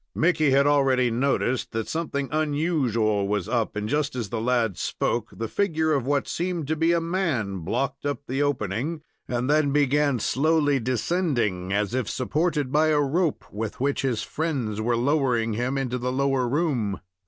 Mickey had already noticed that something unusual was up, and, just as the lad spoke, the figure of what seemed to be a man blocked up the opening, and then began slowly descending, as if supported by a rope, with which his friends were lowering him into the lower room.